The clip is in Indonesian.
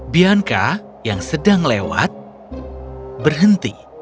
bianca yang sedang lewat berhenti